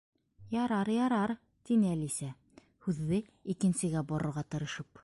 —Ярар, ярар! —тине Әлисә, һүҙҙе икенсегә борорға тырышып.